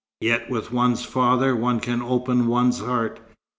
Yet with one's father, one can open one's heart.